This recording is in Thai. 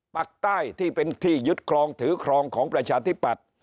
ปากใต้ที่เป็นที่ยึดครองถือครองของประชาธิปัตย์